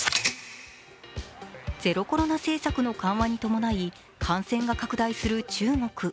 ゼロコロナ政策の緩和に伴い感染が拡大する中国。